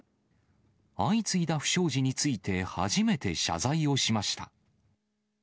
相次いだ不祥事について、初めて謝罪をしました。